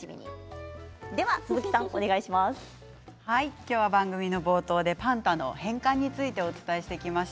今日は番組の冒頭でパンダの返還についてお伝えしてきました。